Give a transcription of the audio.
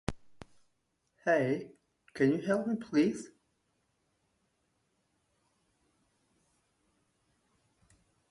In Raivata-manvantara, Lord Vishnu's avatar was called Vaikuntha.